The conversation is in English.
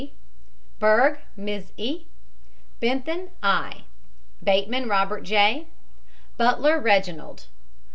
J. BERG, MISS E. BENTHAN, I. BATEMAN, ROBERT J. BUTLER, REGINALD.